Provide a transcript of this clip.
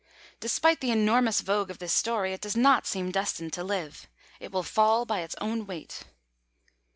Despite the enormous vogue of this story, it does not seem destined to live. It will fall by its own weight.